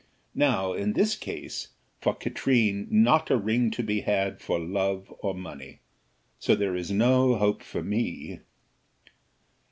Now, in this case, for Katrine not a ring to be had for love or money. So there is no hope for me."